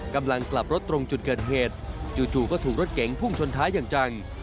กำลังกลับรถตรงจุดเกิดเหตุจู่ก็ถูกรถเก๋งพุ่งชนท้ายอย่างจัง